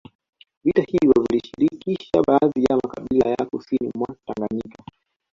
Vita hivyo vilishirikisha baadhi ya makabila ya kusini mwa Tanganyika